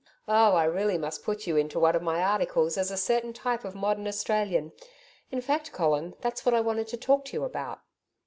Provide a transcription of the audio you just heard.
Oh, I really must put you into one of my articles as a certain type of modern Australian. In fact, Colin, that's what I wanted to talk to you about.'